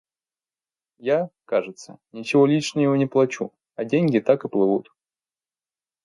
Я, кажется, ничего лишнего не плачу, а деньги так и плывут.